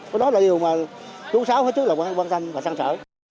cái đó là điều mà chú sáu hết trước là quan tâm và sang sở